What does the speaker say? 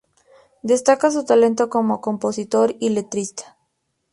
Destaca su talento como compositor y letrista.